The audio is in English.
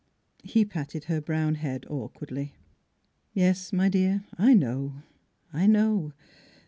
He patted her brown head awkwardly. " Yes, my dear; I know I know.